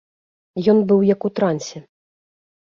Ён быў як у трансе.